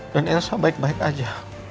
dan elsa baik baik aja